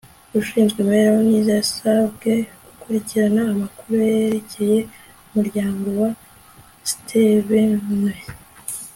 Ushinzwe imibereho myiza yasabwe gukurikirana amakuru yerekeye umuryango wa Stevenson